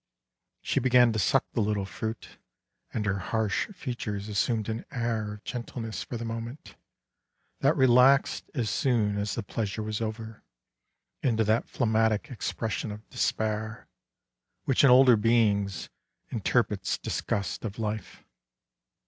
She began to suck the little fruit, and her harsh features assumed an air of gentleness for the moment, that relaxed as soon as the pleasure was over, into that phlegmatic expression of despair, which in older beings interprets disgust of life.